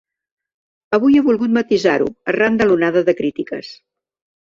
Avui ha volgut matisar-ho, arran de l’onada de crítiques.